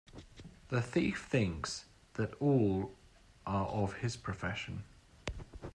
The thief thinks that all are of his profession.